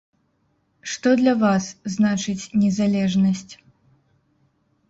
Што для вас значыць незалежнасць?